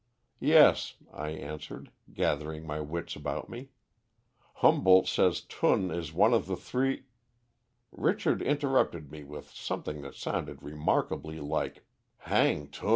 "'Yes,' I answered, gathering my wits about me; 'Humboldt says Thun is one of the three ' "Richard interrupted me with something that sounded remarkably like 'Hang Thun!'